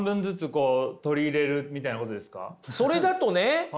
それだとね